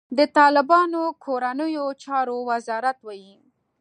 د طالبانو کورنیو چارو وزارت وايي،